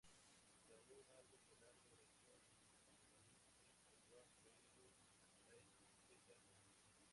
Grabó un álbum de larga duración en mandarín en Taiwán, pero la etiqueta no.